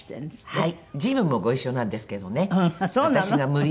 はい。